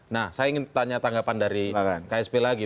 nah saya ingin tanya tanggapan dari ksp lagi